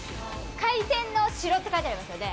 海鮮の城って書いてありますよね。